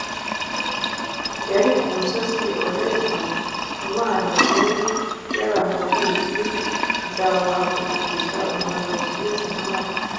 yari ku musozi Horebu. Imana yari yaramubwiye iti, ” Nzabahagurukiriza umuhanuzi umeze nkawe,